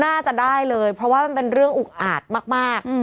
น่าจะได้เลยเพราะว่ามันเป็นเรื่องอุกอาจมาก